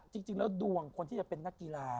จริงแล้วดวงคนที่จะเป็นนักกีฬา